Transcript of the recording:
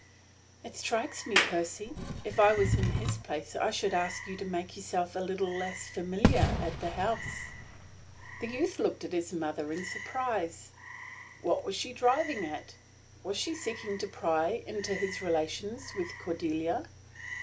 "It strikes me, Percy, if I was in his place I should ask you to make yourself a little less familiar at the big house." The youth looked at his mother in surprise. What was she driving at? Was she seeking to pry into his relations with Cordelia?